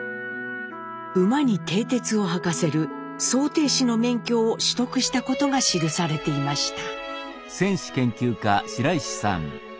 馬にてい鉄を履かせる「装てい師」の免許を取得したことが記されていました。